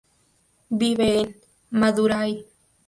Vive en Madurai.